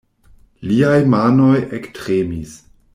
Liaj manoj ektremis.